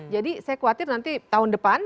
jadi saya khawatir nanti tahun depan